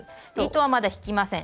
糸はまだ引きません。